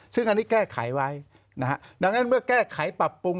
ซึ่งอันนี้แก้ไขไว้นะฮะดังนั้นเมื่อแก้ไขปรับปรุง